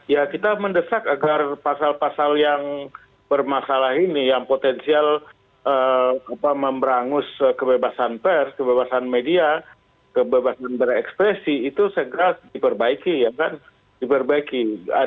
ya kita mendesak agar pasal pasal yang bermasalah ini yang potensial memberangus kebebasan pers kebebasan media kebebasan berekspresi itu segera diperbaiki ya kan diperbaiki